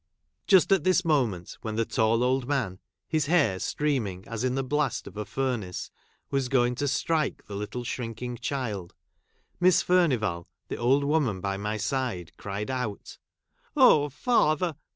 Just at this moment — when the tall old man, his hair streaming as in the blast of a furnace, was going to stiike the little shrinking child — Miss Furnivall, the old woman by my side, cried out, "Oh, father